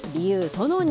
その２。